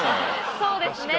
そうですね